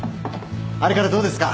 あれからどうですか？